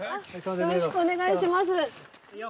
よろしくお願いします。